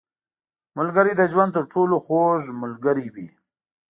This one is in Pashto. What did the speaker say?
• ملګری د ژوند تر ټولو خوږ ملګری وي.